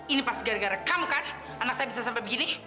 ini pas gara gara kamu kan anak saya bisa sampai begini